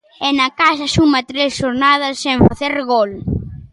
E na casa suma tres xornadas sen facer gol.